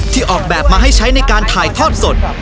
ออกแบบมาให้ใช้ในการถ่ายทอดสด